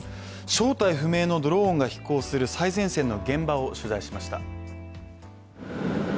正体不明のドローンが飛行する最前線の現場を取材しました。